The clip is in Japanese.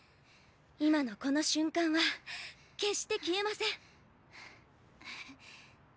今のこの瞬間は決して消えません。